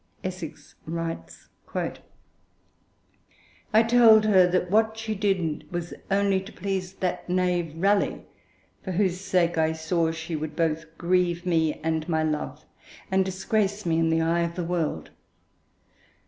Essex writes: I told her that what she did was only to please that knave Raleigh, for whose sake I saw she would both grieve me and my love, and disgrace me in the eye of the world.